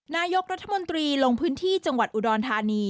นายกรัฐมนตรีลงพื้นที่จังหวัดอุดรธานี